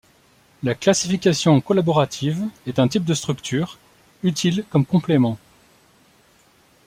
La classification collaborative est un type de structure utile comme complément.